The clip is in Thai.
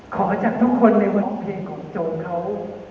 ขอจากทุกคนในบทเพลงของโจรเขา